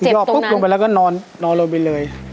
เจ็บตรงนั้นปุ๊บลงไปแล้วก็นอนนอนลงไปเลย